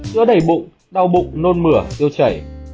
chữa đầy bụng đau bụng nôn mửa tiêu chảy